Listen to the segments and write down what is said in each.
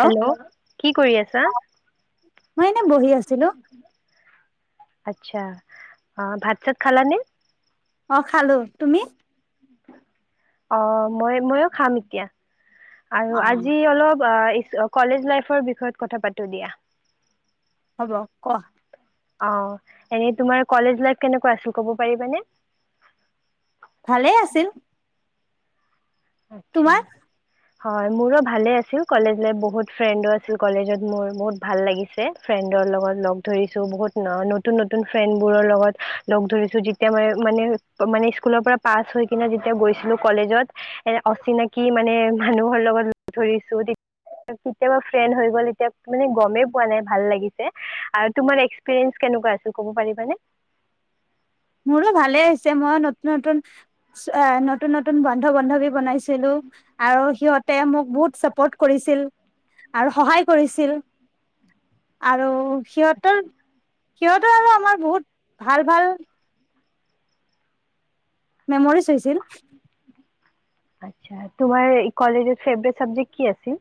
Hello, কি কৰি আছা? মই এনে বহি আছিলো আচ্ছা অ, ভাত-চাত খালা নে? অ, খালো তুমি? অ, মই মইও খাম এতিয়া অ আৰু আজি অলপ কলেজ লাইফৰ বিষয়ে কথা পাতো দিয়া। হ'ব ক। অ, এনে তোমাৰ কলেজ লাইফ কেনেকুৱা আছিল কব পাৰিবানে? ভালেই আছিল। তোমাৰ [inaudible] হয়, মোৰো ভালে আছিল কলেজ লাইফ বহুত ফ্ৰেণ্ডো আছিল কলেজত মোৰ বহুত ভাল লাগিছে। ফ্ৰেণ্ডৰ লগত লগ ধৰিছোঁ বহুত ন নতুন-নতুন ফ্ৰেণ্ডবোৰৰ লগত লগ ধৰিছোঁ যেতিয়া মানে মানে মানে স্কুলৰ পৰা পাছ হৈ কিনে যেতিয়া গৈছিলো কলেজত এ, অচিনাকি মানে মানুহৰ লগত ধৰিছো কেতিয়াবা ফ্ৰেন্দ হৈ গল এতিয়া মানে গমেই পোৱা নাই ভাল লাগিছে আৰু তোমাৰ এক্সপিৰিয়েন্স কেনেকুৱা আছিল ক'ব পাৰিব নে? মোৰো ভালে হৈছে মইও নতুন নতুন এ, নতুন নতুন বন্ধ বান্ধৱী বনাইছিলো। আৰু সিহঁতে মোক বহুত চাপৰ্ট কৰিছিল আৰু সহায় কৰিছিল। আৰু সিহঁতৰ, আচ্ছা সিহঁতৰ আৰু আমাৰ বহুত ভাল, ভাল মেমৰিজ হৈছিল। আচ্ছা, তোমাৰ কলেজৰ ফেভাৰেট চাবজেক্ট কি আছিল?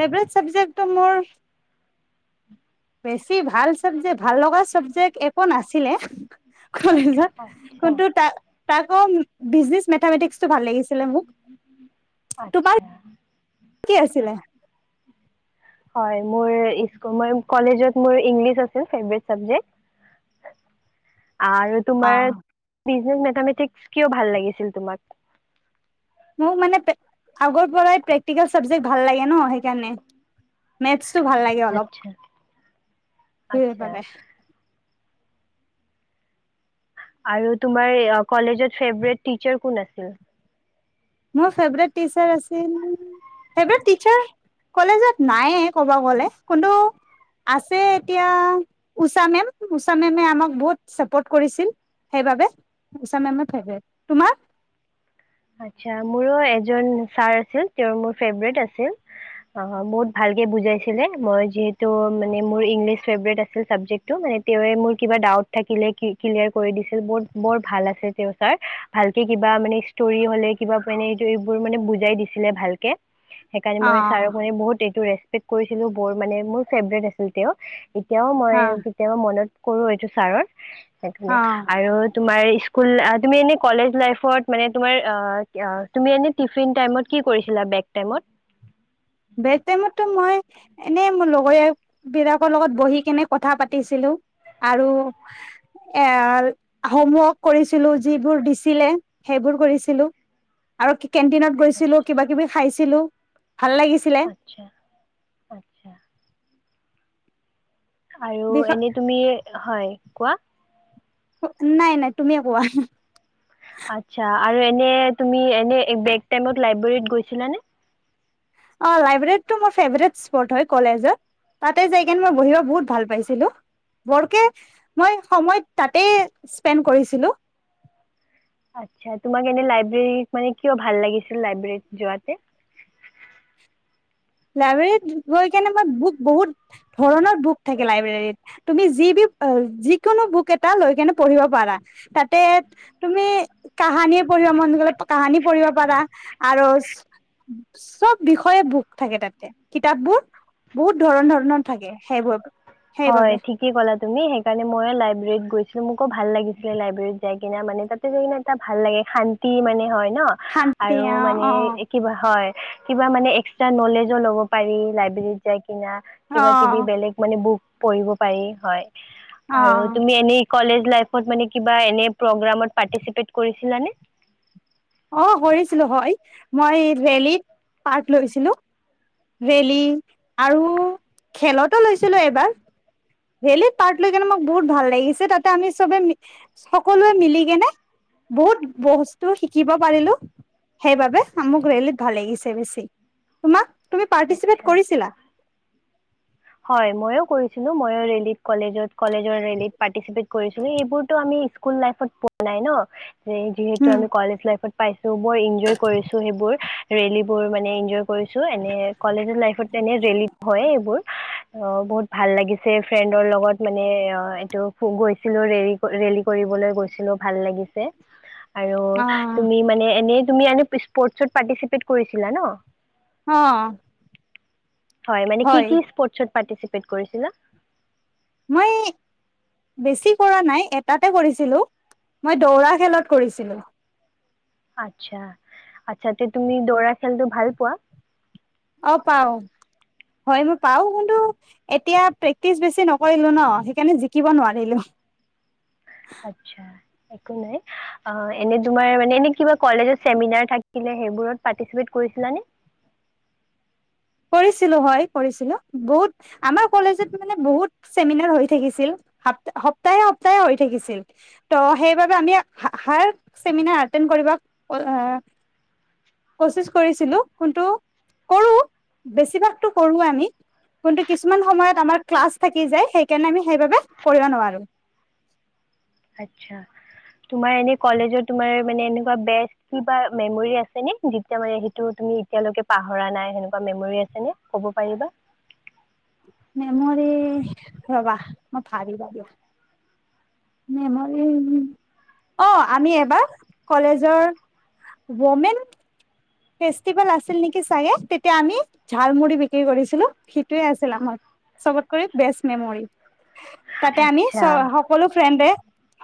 ফেভৰেট চাবজেক্টটো মোৰ বেছি ভাল চাবজেক্ট, ভাল লগা চাবজেক্ট একো নাছিলে কলেজত। আচ্ছা কোনটো তা তাকো বিজনেচ মেথামেতিক্স তো ভাল লাগিছিল মোক, তোমাৰ আচ্ছা কি আছিলে? হয়, মোৰ ই, কলেজত মোৰ ইংলিছ আছিল ফেভৰেট চাবজেক্ট। আৰু অ তোমাৰ বিজনেচ মেথামেটিক্স কিয় ভাল লাগিছিল তোমাক? মোৰ মানে আগৰ পৰাই প্ৰেক্টিকেল চাব্জেক্ট ভাল লাগে ন' সেইকাৰণে। মেথছটো ভাল লা আচ্ছা, আচ্ছা। সেইবাবে আৰু তোমাৰ কলেজত ফেভৰেট টিচাৰ কোন আছিল? মোৰ ফেভৰেট টিচাৰ আছিল। ফেভৰেট টিচাৰ কলেজত নাইএ ক'ব গ'লে, কোনটো আছে এতিয়া ঊষা মেম, ঊষা মেমে আমাক বহুত চাপৰ্ট কৰিছিল। সেইবাবে ঊষা মেমে ফেভৰেট, তোমাৰ? আটছা, মোৰো এজন ছাৰ আছিল, তেওঁৰ মোৰ ফেভৰেট আছিল। অ' বহুত ভালকে বুজাইছিলে, মই যিহেতো মানে মোৰ ইংলিছ ফেভৰেট আছিল চাবজেক্ট। এতিয়া মানে মোৰ কিবা ডাউট থাকিলে ক্লিয়াৰ কৰি দিছিল, ব বৰ ভাল আছিল তেওঁ ছাৰ। ভালকে কিবা মানে ষ্টৰি হ'লে, কিবা মানে এইবোৰ মানে বুজাই দিছিলে ভালকে। সেইকাৰণে অ মই ছাৰক মানে বহুত এইটো ৰেচপেক্ট কৰিছিলো, বৰ মানে মোৰ ফেভৰেট আছিল তেওঁ। এতিয়াও মই অ কেতিয়াবা মনত কৰো এইটো ছাৰক। সেইকাৰণে অ আৰু তোমাৰ স্কুল তুমি এনেই কলেজ লাইফত মানে তোমাৰ অ' তুমি এনে টিফিন টাইমত কি কৰিছিলা বেক টাইমত? বেক টাইমতো মই এনেই মোৰ লগৰীয় বিলাকৰ লগত বহি কেনে কথা পাতিছিলো, আৰু এ হোমৱৰ্ক কৰিছিলোঁ যিবোৰ দিছিলে সেইবোৰ কৰিছিলোঁ। আৰু কেণ্টিনত গৈছিলো কিবা কিবি খাইছিলোঁ, ভাল লাগিছিল। [inaudible] আৰু বিষ এনে তুমি হয়। কোৱা? নাই নাই তুমিয়ে কোৱা। আচ্ছা আৰু এনে তুমি এনে বেক টাইমত লাইব্ৰেৰীত গৈছিলা নে? অ' লাইব্ৰেৰীত মোৰ ফেভৰেট স্পট হয় কলেজে। তাতে যাই কিনে মই বহিব বহুত ভাল পাইছিলোঁ। বৰকে মই সময় তাতে স্পেণ্ড কৰিছিলোঁ। আচ্ছা, তোমাক এনে লাইব্ৰেৰীত মানে কিয় ভাল লাগিছিল লাইব্ৰেৰীত যোৱাতে? লাইব্ৰেৰীত গৈ কেনে মই বুক বহুত ধৰণৰ বুক থাকে লাইব্ৰেৰীত। তুমি যিকোনো বুক এটা লৈ কেনে পঢ়িব পাৰা তাতে। তুমি কাহানীয়ে পঢ়িবৰ মন গুলে কাহানী পঢ়িব পাৰা আৰু। চব বিষয়ে বুক। থাকে তাতে কিতাপ বোৰ বহুত ধৰন ধৰণৰ থাকে সেইবোৰ। হয় সেইবাবে ঠিক। কি ক'লা তমি সেইকাৰণে মইে লাইব্ৰেৰীত গৈছোঁ মোকো ভাল লাগিছিলে লাইব্ৰেৰীত যাই কিনে মানে তাত। যিকোনো এটা ভাল লাগে শান্তি মানে হয় ন' শান্তি আৰু অ মানে। অ কিবা হয় কিবা মানে এস্কট্ৰা নলেজো ল'ব পাৰি লাইব্ৰেৰত যাই কিনা। কিবা অ কিবি বেলেগ মানে বুক পঢ়িব পাৰি হয় আৰু তুমি এনেই। কলেজ লাইফত মানে কিবা এনে প্ৰগ্ৰামত পাৰ্টিচিপেট কৰিছিলানে? অ' কৰিছিলো হয়, মই ৰেলীত পাৰ্ট লৈছিলো। ৰেলি আৰু খেলতো লৈছিলো এবাৰ। ৰেলেত পাৰ্ট লৈ কিনে আমাক বহুত ভাল লাগিছে তাতে আমি চবে মিলি সকলোৱে মিলি কেনে বহুত বস্তু সি। শিকিব পাৰিলো সেইবাবে মোক ৰেলীত ভাল লাগিছে বেছি। তোমাক তুমি পাৰ্টিচিপেট আচ্ছা। কৰিছিলা? হয় ময়ো কৰিছিলো ময়ো ৰেলীত কলেজত কলেজৰ ৰেলীত পাৰ্টিচিপেট কৰিছিলো এইবোৰতো আমি স্কুল লাইফত পোৱা নাই ন। যে যিহেতু উম আমি কলেজ লাইফত পাইছো বৰ এনজয় কৰিছোঁ সেইবোৰ। ৰেলী বোৰ মানে এনজয় কৰিছোঁ এনে কলেজ লাইফত এনে ৰেলী হয় এইবোৰ। অ' বহুত ভাল লাগিছে ফ্ৰেন্দৰ লগত মানে অ'এইটো গৈছিলো ৰেলীত। ৰেলী কৰিবলৈ গৈছিলোঁ ভাল লাগিছে। আৰু অ তুমি মানে এনে তুমি স্পৰ্টচত পাৰ্টিচিপেট কৰিছিলা ন' অ'। হয় মানে কি কি স্পৰ্তচ পাৰ্টিচিপেট কৰিছিলা? মই এই। বেছি কৰা নাই এটাতে কৰিছিলো মই দৌৰা খেলত কৰিছিলোঁ। আচ্ছা আচ্ছা তে তুমি দৌৰা খেলটো ভাল পোৱা। অ' পাও হয় মই পাওঁ কিন্তু। এতিয়া প্ৰেক্টিচ বেছি নকৰিলোঁ ন সেইকাৰণে জিকিব নোৱাৰিলোঁ। আচ্ছা একো নাই। অ' এনে তোমাৰ মানে এনে কিবা কলেজত চেমিনাৰ থাকিলে সেইবোৰত পাৰ্টিচিপেট কৰিছিলা নে? কৰিছিলোঁ হয় কৰিছিলোঁ বহুত। আমাৰ কলেজত মানে বহুত চেমিনাৰ হৈ থাকিছিল ছা সপ্তাহে সপ্তাহে হৈ থাকিছিল। ত' সেইবাবে আমি হাৰ চেমিনাৰ এতেন্দ কৰিব আ। কচিচ কৰিছিলো কোন্তু কৰো বেছিভাগতো কৰোৱে আমি। কিন্তু কিছুমান সময়ত আমাৰ ক্লাছ থাকি যায় সেইকাৰণে আমি সেইবাবে কৰিব নোৱাৰোঁ। আটছা তোমাৰ এনে কলেজৰ তোমাৰ মানে এনেকুৱা বে। কিবা মেমৰি আছেনে যেতিয়া মে সেইটো তুমি এতিয়ালৈকে পাহৰা নাই সেনেকুৱা মেমৰি আছে নে? ক'ব পাৰিবা। মেমৰি ৰবা মই ভাবিব দিয়া। মেমৰি অ' আমি এবাৰ কলেজৰ। ৱমেন। ফেষ্টিভেল আছিল নেকি চাগে তেতিয়া আমি ঝালমুড়ি বিক্ৰী কৰিছিলোঁ সিটোৱে আছিল আমাৰ। চবতকৈ বেষ্ট মেমৰি তাতে আমি আচ্ছা চব আ। সকলো ফ্ৰেণ্ডে,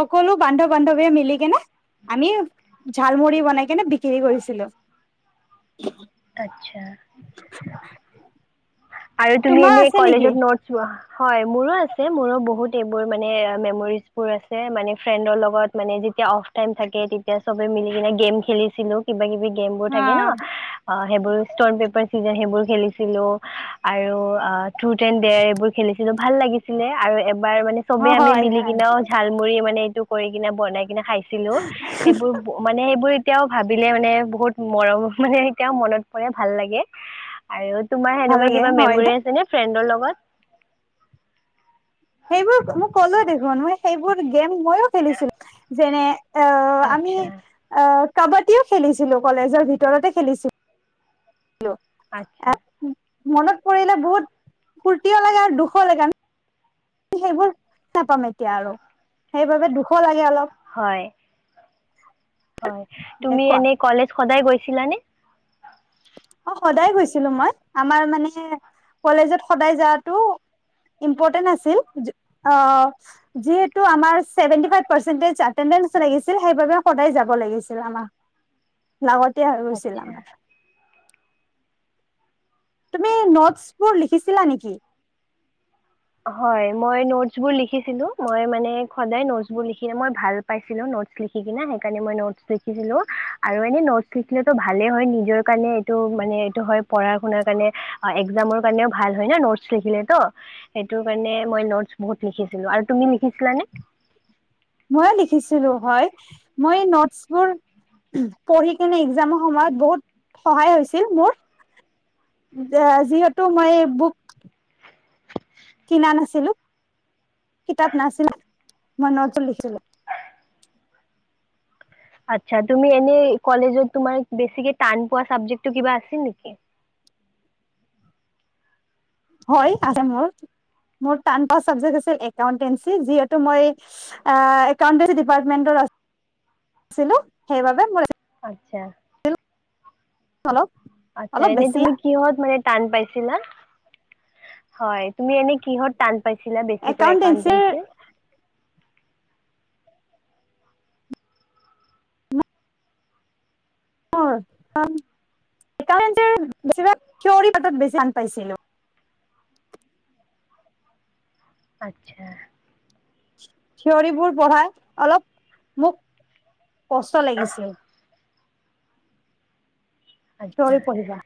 সকলো বান্ধ বান্ধৱীয়ে মিলি কেনে আমি ঝালমুৰি বনাই কেনে বিক্ৰী কৰিছিলো। আচ্ছা। আৰু তুমি তোমাৰ এনে আছে নেকি কলেজত নটছ হয় মোৰো আছে, মোৰো বহুত এইবোৰ মানে মেমৰিজবোৰ আছে মানে ফ্ৰেণ্ডৰ লগত মানে যেতিয়া অফ টাইম থাকে তেতিয়া চবে মিলি কিনে গেম খেলিছিলোঁ, কিবা কিবি গেমবোৰ অ থাকে ন' আ, সেইবোৰ ষ্টন পেপাৰ চিযাৰ সেইবোৰ খেলিছিলোঁ আৰু ট্ৰুথ এনড দেয়াৰ এইবোৰ খেলিছিলোঁ ভাল লাগিছিলে আৰু এবাৰ মানে অ চবে আমি হয় মিলি হয় কিনেও ঝাল কৰি মানে এইটো কৰি কিনে বনাই কিনে খাইছিলোঁ এইবোৰ মানে সেইবোৰ এতিয়াও ভাবিলে মানে বহুত মৰম মানে এতিয়াও মনত পৰে, ভাল লাগে। আৰু তোমাৰ সেনেকুৱা ভালকে কিবা হয় মেমৰি দে। আছেনে ফ্ৰেণ্ডৰ লগত? সেইবোৰ মই ক'লোৱে দেখোন, মই সেইবোৰ গেম ময়ো খেলিছিলোঁ যেনে আ, আমি আচ্ছা, অ' কাবাডীও খেলিছিলোঁ, কলেজৰ ভিতৰতে খেলিছি আচ্ছা। [unintelligible] মনত পৰিলে বহুত ফূৰ্তিও লাগে আৰু দুখ লাগে আ সেইবোৰ নাপাম এতিয়া আৰু সেইবাবে দুখো লাগে অলপ। হয়। হয়, তুমি কোৱা এনে কলেজ সদায় গৈছিলানে? অ' সদায় গৈছিলোঁ মই, আমাৰ মানে কলেজত সদায় যোৱাটো ইম্পৰ্টেন্ট আছিল যি, অ', অ'। যিহেতু আমৰ চেভেণ্টি ফাইভ পাৰ্চেন্টেজ এটেণ্ডেঞ্চ লাগিছিল সেইবাবে সদায়ে যাব লাগিছিল আমাৰ। লাগতিয়া হৈ গৈছিল আচ্ছা। আমাৰ। তুমি ন'টছবোৰ লিখিছিলা নেকি? হয় মই ন'টছবোৰ লিখিছিলোঁ, মই মানে সদায় ন'টছবোৰ লিখি, মই ভাল পাইছিলোঁ ন'টছ লিখি কিনে সেইকাৰণে মই ন'টছ লিখিছিলোঁ আৰু এনেই ন'টছ লিখিলেতো ভালেই হয় নিজৰ কাৰণে এইটো মানে এইটো হয় পঢ়া শুনাৰ কাৰণে আ, এক্সামৰ কাৰণেও ভাল হয় ন' ন'টছ লিখিলে ত' সেইটো কাৰণে মই ন'টছ বহুত লিখিছিলোঁ আৰু তুমি লিখিছিলানে? ময়ো লিখিছিলোঁ হয়, মই ন'টছবোৰ পঢ়ি কিনে এক্সামৰ সময়ত বহুত সহায় হৈছিল মোৰ। যে যিহেতু মই বুক কিনা নাছিলোঁ, কিতাপ নাছিলে, মই ন'টছট লিখিছিলোঁ। আচ্ছা, তুমি এনে কলেজত তোমাৰ বেছিকে টান পোৱা চাবজেকটো কিবা আছিল নেকি? হয় আছে মোৰ, মোৰ টান পোৱা চাবজেক্ট আছিলে একাউণ্টতেন্সী, যিহেতু মই আ, একাউণ্টতেন্সী ডিপাৰ্টমেন্টৰ আ ছিলোঁ সেইবাবে মোৰ আচ্ছা। [unintelligible] অলপ। আচ্ছা, অলপ এনে বেছি তুমি কিহত মানে টান পাইছিলা? হয় তুমি এনে কিহত টান পাইছিলা বেছিকৈ একাউন্টেঞ্চিৰ একাউণ্টেঞ্চিৰ? মোৰ [unintelligible] একাউণ্টতেন্সিৰ বেছিভাগ থিয়ৰী [unintelligible] বেছি টান পাইছিলোঁ। আচ্ছা। থিয়ৰিবোৰ পঢ়াই অলপ মোক কষ্ট আহ, লাগিছিল। আচ্ছা থিয়ৰি পঢ়িবা।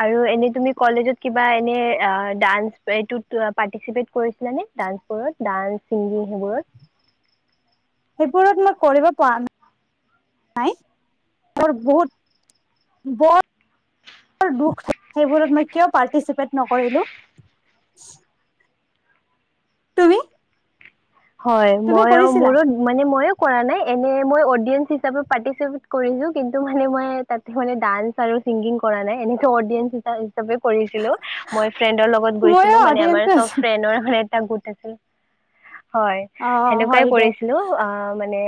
আৰু এনে তুমি কলেজত কিবা এনে আ, ডান্স এইটোত পাৰ্টিচিপেট কৰিছিলানে? ডান্সবোৰত, ডান্স, ছিংগিং সেইবোৰত? সেইবোৰত মই কৰিব পৰা না নাই, মোৰ বহুত বৰ দুখ থাকিলে সেইবোৰত মই কিয় পাৰ্টিচিপেট নকৰিলো। তুমি? হয়, তুমি মইয়ো কৰিছিলা মোৰো মানে মইয়ো কৰা নাই এনে মই অদিয়েঞ্চ হিচাপে পাৰ্টিচিপেট কৰিছো কিন্তু মানে মই তাতে মানে ডান্স আৰু ছিংগিং কৰা নাই এনেকে অদিয়েঞ্চ হিচাপে ছবে কৰিছিলো মই ফ্ৰেণ্ডৰ লগত ময়ো গৈছিলো মানে আমাৰ অডিয়েঞ্চে চব আছিলো ফ্ৰেণ্ডৰ মানে এটা গোট আছিল। হয়, অ সেনেকুৱাই হয় দে কৰিছিলোঁ আ, মানে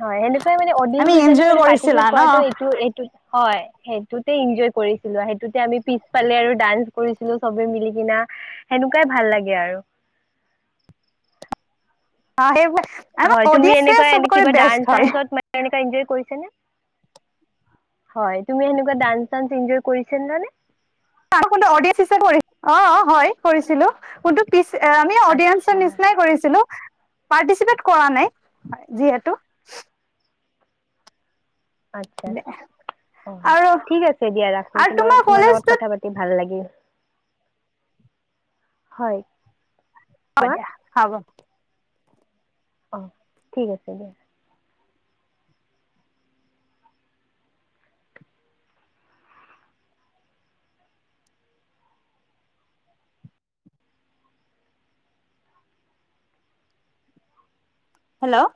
হয় সেনেকুৱাই মানে আমি অদিয়েঞ্চ হিচাপে এনজয় মানে কৰিছিলা পাৰ্টিচিপেত কৰাটো ন এইটো এইটো হয়। সেইটোতে এনজয় কৰিছিলো সেইটোতে আমি পিছফালে আৰু ডান্স কৰিছিলো চবে মিলি কিনা। সেনেকুৱাই ভাল লাগে আৰু। অ', [unintelligible] হয়, তুমি অডিয়েঞ্চে এনেকুৱা এনে চবৰে কিবা বেষ্ট হয় ডান্স-চানসত মানে এনেকে এঞ্জয় কৰিছাঁনে? হয় তুমি এনেকুৱা দাঞ্চ-চাঞ্চ এঞ্জয় কৰিছিলা নে? কোনো এডিয়েন্স [unintelligible] অ', অ', হয়, কৰিছিলো। কোনটো পিছ আমি অডিয়েঞ্চৰ আচ্ছা নিচিনাই কৰিছিলো। পাৰ্টিচিপেট কৰা নাই যিহেতু। আচছা অ', আৰু ঠিক আছে দিয়া ৰাখো আৰু তোমাৰ তোমাৰ লগত কলেজটোত কথা পাতি ভাল লাগিল হয়। হ'ব কোৱা দিয়া হ'ব। অ', ঠিক আছে দিয়া। হেল্ল'?